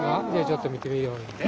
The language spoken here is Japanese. じゃあちょっと見てみようよ。